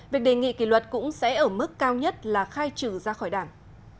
việc đề nghị kỷ luật cũng sẽ ở mức cao nhất là khai trừ ra khỏi đảng